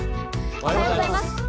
おはようございます。